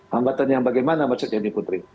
hambatan yang bagaimana mas yogyakini putri